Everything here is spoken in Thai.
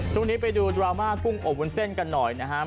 ช่วงนี้ไปดูดราม่ากุ้งอบวุ้นเส้นกันหน่อยนะครับ